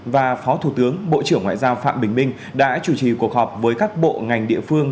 và phó thủ tướng bộ trưởng ngoại giao phạm bình minh đã chủ trì cuộc họp với các bộ ngành địa phương